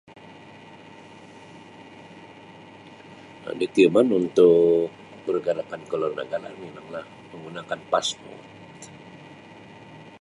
"Um Dokumen untuk pergerakan ke luar negara memang lah menggunakan ""Passport"""